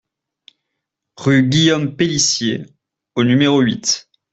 Rue Guillaume Pellicier au numéro huit